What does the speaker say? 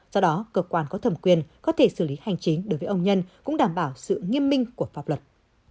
do đó cơ quan có thẩm quyền có thể xử lý hành chính đối với ông nhân cũng đảm bảo sự nghiêm minh của pháp luật